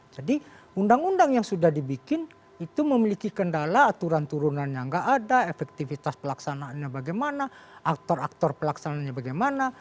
jadi undang undang yang sudah dibikin itu memiliki kendala aturan turunannya tidak ada efektivitas pelaksanaannya bagaimana aktor aktor pelaksanaannya bagaimana